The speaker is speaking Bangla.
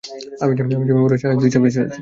আমি যে ভ্যাম্পায়ার হয়েছি আজ দুইশো বছর।